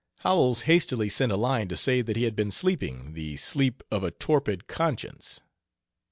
Howells hastily sent a line to say that he had been sleeping "The sleep of a torpid conscience.